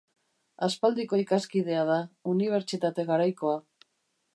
Aspaldiko ikaskidea da, unibertsitate garaikoa.